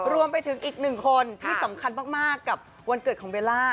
รวมไปถึงอีกหนึ่งคนที่สำคัญมากกับวันเกิดของเบลล่า